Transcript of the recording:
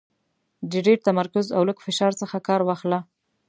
د ډېر تمرکز او لږ فشار څخه کار واخله .